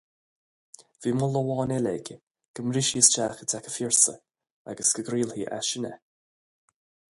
Bhí moladh amháin eile aige, go mbrisfí isteach i dTeach an Phiarsaigh agus go gcraolfaí as sin é.